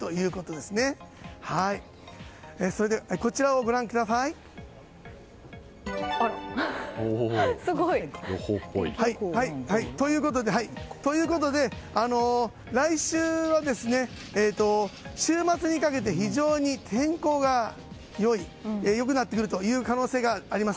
では、こちらをご覧ください。ということで、来週は週末にかけて非常に天候が良くなってくる可能性があります。